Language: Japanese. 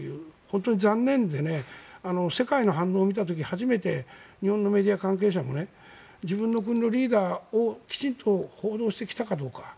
本当に残念で世界の反応を見た時初めて日本のメディア関係者も自分の国のリーダーをきちんと報道してきたかどうか。